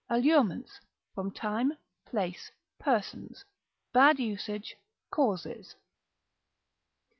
Allurements, from time, place, persons, bad usage, causes_.